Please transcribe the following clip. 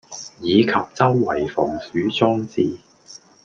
以及周圍防鼠裝置